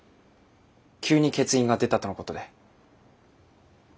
急に欠員が出たとのことで。